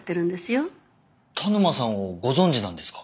田沼さんをご存じなんですか？